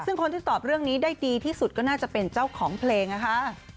ซึ่งคนที่ตอบเรื่องนี้ได้ดีที่สุดก็น่าจะเป็นเจ้าของเพลงนะคะ